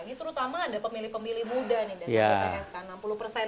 ini terutama ada pemilih pemilih muda nih datang ke pks kan